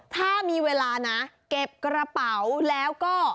ถ้ามีเวลานะเก็บกระเป๋าแล้วก็